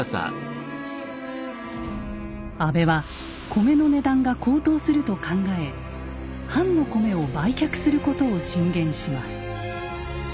安倍は米の値段が高騰すると考え藩の米を売却することを進言します。